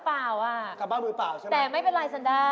มากลายนรกเปิดไหมสานด้า